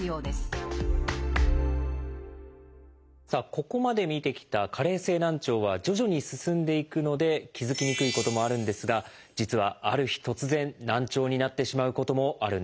ここまで見てきた加齢性難聴は徐々に進んでいくので気付きにくいこともあるんですが実はある日突然難聴になってしまうこともあるんです。